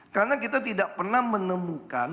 karena kita tidak pernah menemukan